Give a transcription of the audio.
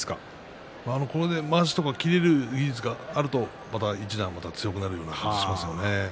これでまわしを切れる技術があると、また一段強くなると思います。